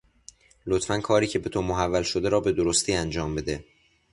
لطفا کاری که به تو محول شده را به درستی انجام بده